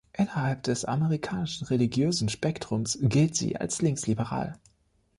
Innerhalb des amerikanischen religiösen Spektrums gilt sie als linksliberal.